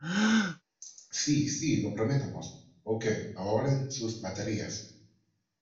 ¡ Sí! ¡ sí !¡ lo prometemos !¡ ok ! ahorren sus baterías.